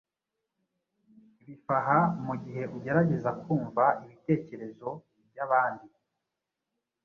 bifaha mugihe ugerageza kumva ibitekerezo byabandi